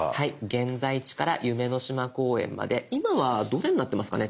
「現在地」から「夢の島公園」まで今はどれになってますかね